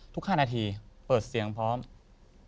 ทุก๕นาทีเปิดเสียงพร้อม